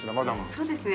そうですね